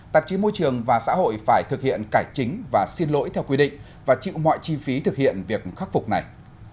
tạp chí môi trường và xã hội phải thực hiện cải chính và xin lỗi theo quy định và chịu mọi chi phí thực hiện việc khắc phục này